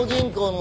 の